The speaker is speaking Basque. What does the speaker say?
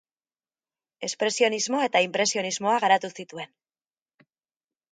Espresionismo eta inpresionismoa garatu zituen.